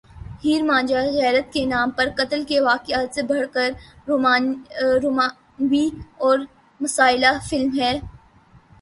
ہیر مان جا غیرت کے نام پر قتل کے واقعات سے بڑھ کر رومانوی اور مصالحہ فلم